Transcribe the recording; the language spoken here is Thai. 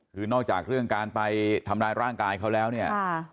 คือนอกจากเรื่องการไปทำร้ายร่างกายเขาแล้วเนี่ย